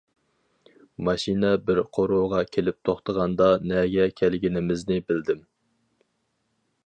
ماشىنا بىر قورۇغا كېلىپ توختىغاندا نەگە كەلگىنىمىزنى بىلدىم.